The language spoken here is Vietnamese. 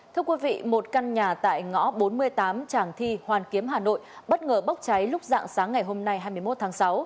thưa quý vị một căn nhà tại ngõ bốn mươi tám tràng thi hoàn kiếm hà nội bất ngờ bốc cháy lúc dạng sáng ngày hôm nay hai mươi một tháng sáu